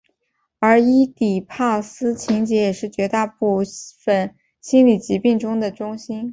而伊底帕斯情结也是绝大部分心理疾病的中心。